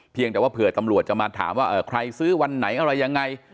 แต่ว่าเผื่อตำรวจจะมาถามว่าใครซื้อวันไหนอะไรยังไง